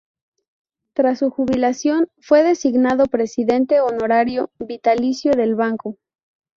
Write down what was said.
Tras su jubilación, fue designado presidente honorario vitalicio del banco.